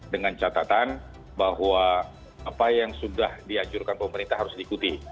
dengan catatan bahwa apa yang sudah dianjurkan pemerintah harus diikuti